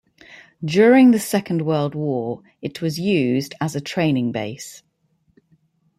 During the Second World War, it was used as a training base.